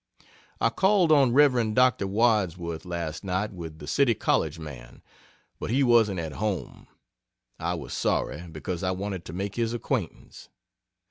I called on Rev. Dr. Wadsworth last night with the City College man, but he wasn't at home. I was sorry, because I wanted to make his acquaintance.